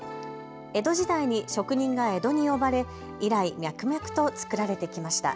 江戸時代に職人が江戸に呼ばれ以来、脈々と作られてきました。